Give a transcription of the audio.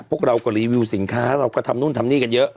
พวกเราก็รีวิวสินค้าเราก็ทำนู่นทำนี่กันเยอะ